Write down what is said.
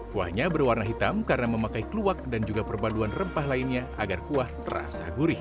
kuahnya berwarna hitam karena memakai kluwak dan juga perbaduan rempah lainnya agar kuah terasa gurih